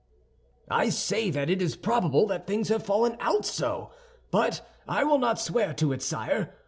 "I say that it is probable that things have fallen out so, but I will not swear to it, sire.